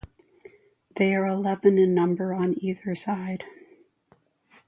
They are eleven in number on either side.